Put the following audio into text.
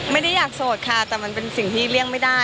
ไม่ได้อยากโสดค่ะแต่มันเป็นสิ่งที่เลี่ยงไม่ได้